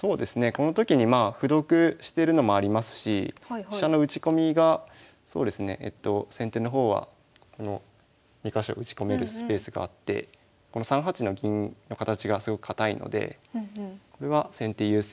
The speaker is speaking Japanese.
この時にまあ歩得してるのもありますし飛車の打ち込みがそうですね先手の方はこの２か所打ち込めるスペースがあってこの３八の銀の形がすごく堅いのでこれは先手優勢。